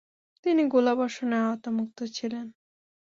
তিনি গোলাবর্ষণের আওতামুক্ত ছিলেন।